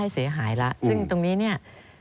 ซึ่งตรงนี้เนี่ย